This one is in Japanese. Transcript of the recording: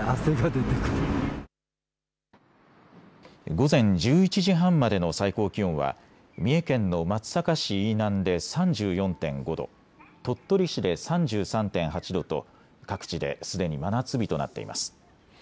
午前１１時半までの最高気温は三重県の松阪市飯南で３４．５度、鳥取市で３３．８度と各地ですでに真夏日となっています。